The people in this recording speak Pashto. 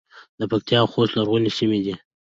پکتیا او خوست لرغونې سیمې دي